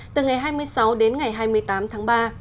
từ ngày hai mươi sáu đến ngày hai mươi tám tháng ba